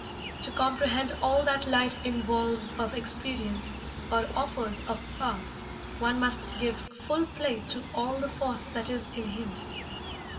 To comprehend all that life involves of experience, or offers of power, one must give full play to all the force that is in him.